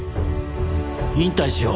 引退しよう。